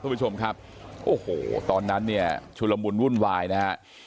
คุณผู้ชมครับโอ้โหตอนนั้นเนี่ยชุลมุนวุ่นวายนะฮะ